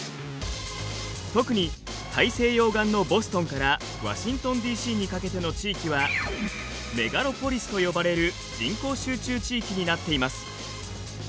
特に大西洋岸のボストンからワシントンＤ．Ｃ．にかけての地域はメガロポリスと呼ばれる人口集中地域になっています。